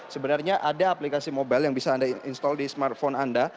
sebenarnya ada aplikasi mobile yang bisa anda install di smartphone anda